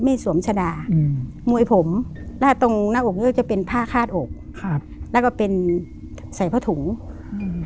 สวมชะดาอืมมวยผมหน้าตรงหน้าอกเนี้ยก็จะเป็นผ้าคาดอกครับแล้วก็เป็นใส่ผ้าถุงอืม